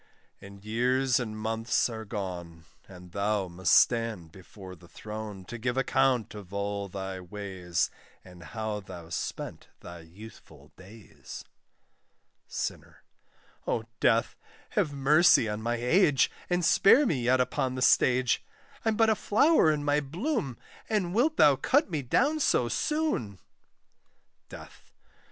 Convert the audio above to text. And years and months are gone, And thou must stand before the throne, To give account of all thy ways, And how thou spent thy youthful days. SINNER. O Death! have mercy on my age, And spare me yet upon the stage: I'm but a flower in my bloom, And wilt thou cut me down so soon! DEATH.